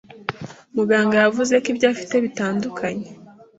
Muganga yavuze ko ibyo afite bitanduye.